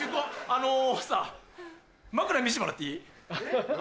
あの枕枕見せてもらっていい？